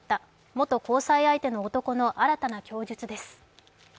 元交際相手の男の新たな供述です。